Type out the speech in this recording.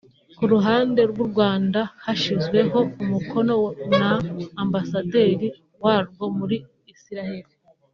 Ku ruhande rw’u Rwanda hashyizweho umukono na Ambasaderi warwo muri Israel